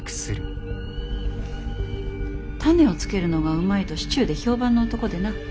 種をつけるのがうまいと市中で評判の男でな。